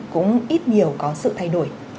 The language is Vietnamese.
cũng ít nhiều có sự thay đổi